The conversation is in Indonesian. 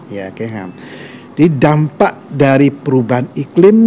jadi dampak dari perubahan iklim